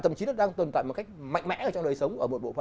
thậm chí nó đang tồn tại một cách mạnh mẽ trong đời sống